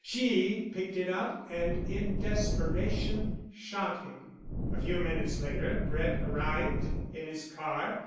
She picked it up and in desperation shot him. A few minutes later Brett arrived in his car.